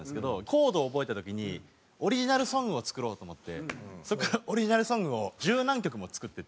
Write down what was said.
コードを覚えた時にオリジナルソングを作ろうと思ってそこからオリジナルソングを十何曲も作ってて。